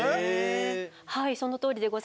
はいそのとおりでございます。